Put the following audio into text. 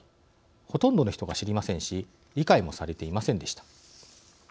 ほとんどの人が知りませんし理解もされていませんでした。